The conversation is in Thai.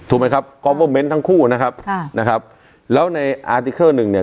ถูกไหมครับทั้งคู่นะครับนะครับแล้วในอาร์ติเกิ้ลหนึ่งเนี่ย